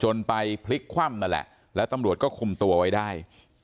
ไปพลิกคว่ำนั่นแหละแล้วตำรวจก็คุมตัวไว้ได้